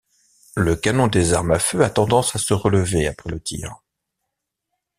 Le canon des armes à feu a tendance à se relever après le tir.